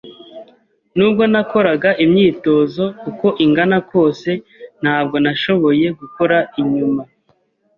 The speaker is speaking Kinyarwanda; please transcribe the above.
Nubwo nakoraga imyitozo uko ingana kose, ntabwo nashoboye gukora inyuma.